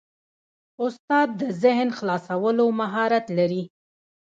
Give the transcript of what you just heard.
استاد د ذهن خلاصولو مهارت لري.